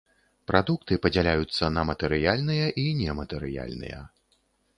Прадукты падзяляюцца на матэрыяльныя і нематэрыяльныя.